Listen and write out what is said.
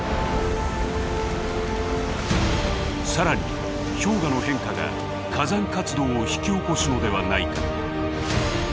更に氷河の変化が火山活動を引き起こすのではないか。